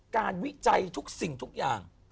วิจัยทุกสิ่งทุกอย่าง